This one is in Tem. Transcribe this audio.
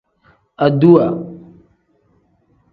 Aduwa.